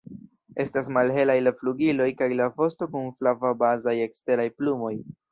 Estas malhelaj la flugiloj kaj la vosto kun flava bazaj eksteraj plumoj.